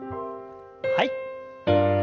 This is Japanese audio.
はい。